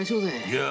いや。